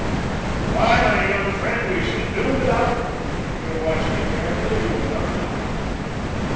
"Why, my young friend, we shall do without them. If you'll watch me carefully you will learn how."